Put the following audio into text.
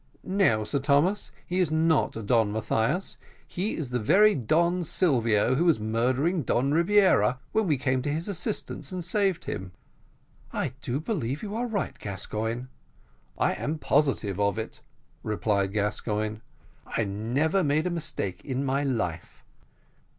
"No, Sir Thomas! He is not Don Mathias! He is the very Don Silvio who was murdering Don Rebiera, when we came to his assistance and saved him." "I do believe you are right, Gascoigne." "I'm positive of it," replied Gascoigne; "I never made a mistake in my life."